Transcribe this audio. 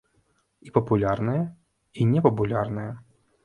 І папулярныя, і непапулярныя.